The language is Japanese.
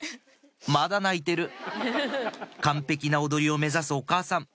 まだ泣いてる完璧な踊りを目指すお母さん